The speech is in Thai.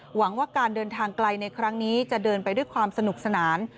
หวังว่าการเดินทางไกลในครั้งนี้จะเดินไปด้วยความสนุกสนาน